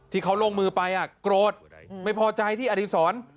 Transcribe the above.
ที่เขาลงมือไปโกรธไม่พอใจที่อดีศร